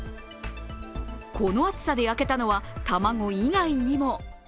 この暑さで焼けたのは卵以外にも。